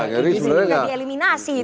jadi sebenarnya gak bisa dua